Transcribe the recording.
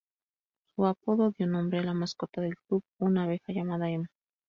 Su apodo dio nombre a la mascota del club, una abeja llamada Emma.